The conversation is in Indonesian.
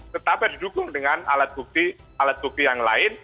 tetap didukung dengan alat bukti yang lain